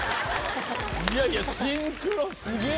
いやいや、シンクロすげぇ。